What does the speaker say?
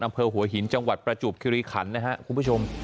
อำเภอหัวหินจังหวัดประจวบคิริขันนะครับคุณผู้ชม